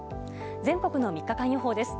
全国の３日間予報です。